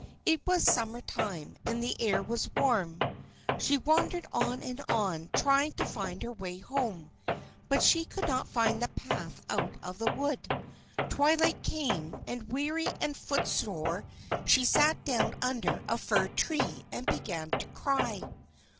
It was Summer time, and the air was warm. She wandered on and on, trying to find her way home, but she could not find the path out of the wood. Twilight came, and weary and footsore she sat down under a fir tree, and began to cry.